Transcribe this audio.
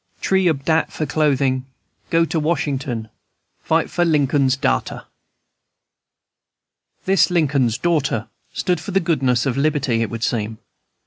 Tree ob dat for clothin'l Go to Washington Fight for Linkum's darter!" This "Lincoln's daughter" stood for the Goddess of Liberty, it would seem.